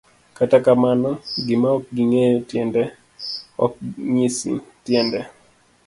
Kata kamano, gima okingeyo tiende ok ng'isi tiende.